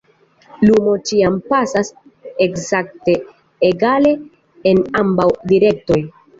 Lumo ĉiam pasas ekzakte egale en ambaŭ direktoj.